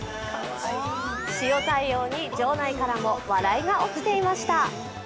塩対応に場内からも笑いが起きていました。